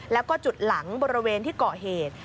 แล้วก็จุดหลังบริเวณที่เกาะเหตุ